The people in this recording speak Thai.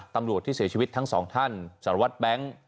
ตำรวจที่เสียชีวิตทั้งสองท่านสารวัตรแบงค์